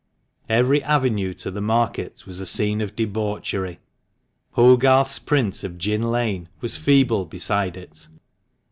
Every avenue to the market was a scene of debauchery. Hogarth's print of " Gin Lane " was feeble beside it.